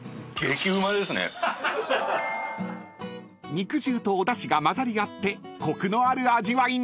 ［肉汁とおだしが混ざり合ってコクのある味わいに］